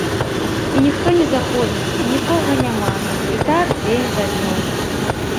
І ніхто не заходзіць, і нікога няма, і так дзень за днём.